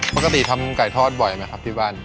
ปกติทำไก่ทอดบ่อยไหมครับที่บ้าน